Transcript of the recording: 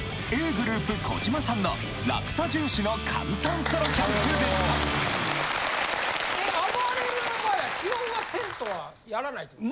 ｇｒｏｕｐ小島さんのラクさ重視の簡単ソロキャンプでしたあばれるの場合は基本はテントはやらないって事？